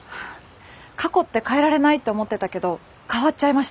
過去って変えられないって思ってたけど変わっちゃいました。